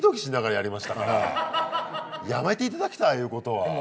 やめていただきたいああいうことは。